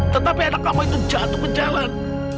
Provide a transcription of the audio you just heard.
tetapi anak kamu itu jatuh ke jalan